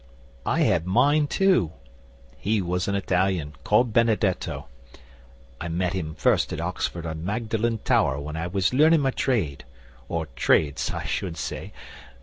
'I had mine too. He was an Italian, called Benedetto. I met him first at Oxford on Magdalen Tower when I was learning my trade or trades, I should say.